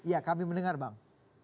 ya kami mendengar bang